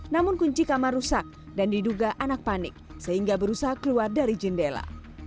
namun kunci kamar rusak dan diduga anak panik sehingga berusaha keluar dari jendela